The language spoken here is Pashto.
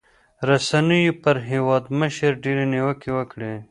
رسنيو پر هېوادمشر ډېرې نیوکې وکړې.